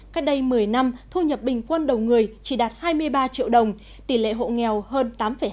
cách đây một mươi năm thu nhập bình quân đầu người chỉ đạt hai mươi ba triệu đồng tỷ lệ hộ nghèo hơn tám hai